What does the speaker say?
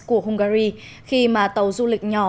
của hungary khi mà tàu du lịch nhỏ